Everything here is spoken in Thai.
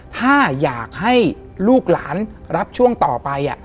ถ้าอยากให้ลูกหลานรับช่วงต่อไป